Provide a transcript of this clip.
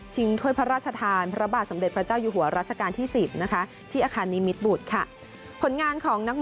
ถ้วยพระราชทานพระบาทสมเด็จพระเจ้าอยู่หัวรัชกาลที่๑๐นะคะที่อาคารนิมิตบุตรค่ะ